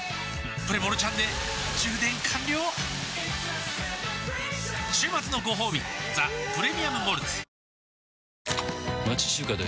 プレモルちゃんで充電完了週末のごほうび「ザ・プレミアム・モルツ」おおーーッ